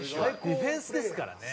ディフェンスですからね。